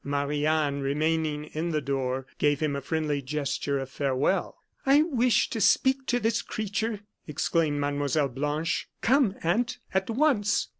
Marie Anne, remaining in the door, gave him a friendly gesture of farewell. "I wish to speak to this creature!" exclaimed Mlle. Blanche. "Come, aunt, at once!"